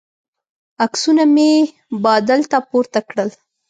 عکسونه مې بادل ته پورته کړل.